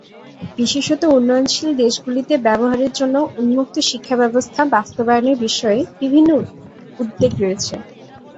বিশেষত উন্নয়নশীল দেশগুলিতে ব্যবহারের জন্য উন্মুক্ত শিক্ষা ব্যবস্থা বাস্তবায়নের বিষয়ে বিভিন্ন উদ্বেগ রয়েছে।